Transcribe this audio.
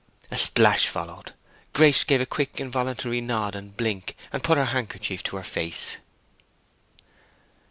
A splash followed. Grace gave a quick, involuntary nod and blink, and put her handkerchief to her face.